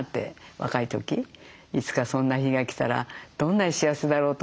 若い時いつかそんな日が来たらどんなに幸せだろうと思って。